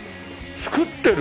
作ってる！？